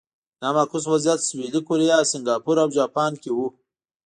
دا معکوس وضعیت سویلي کوریا، سینګاپور او جاپان کې و.